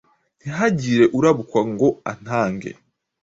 ntihagire urabukwa ngo antange